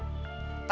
tapi kita berdoa